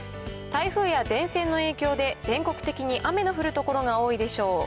台風や前線の影響で、全国的に雨の降る所が多いでしょう。